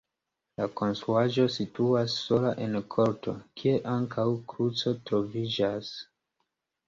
La konstruaĵo situas sola en korto, kie ankaŭ kruco troviĝas.